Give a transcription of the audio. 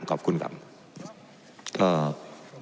ขอบคุณครับ